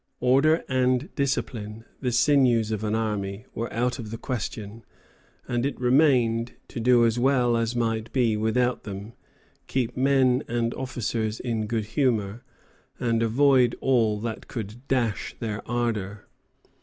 Order and discipline, the sinews of an army, were out of the question; and it remained to do as well as might be without them, keep men and officers in good humor, and avoid all that could dash their ardor.